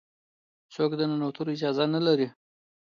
څوک د ننوتلو اجازه نه لري.